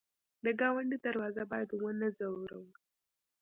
د ګاونډي دروازه باید ونه ځوروو